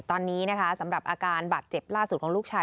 ตอนนี้นะคะสำหรับอาการบาดเจ็บล่าสุดของลูกชาย